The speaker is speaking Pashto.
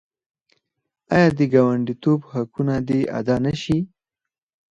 آیا د ګاونډیتوب حقونه دې ادا نشي؟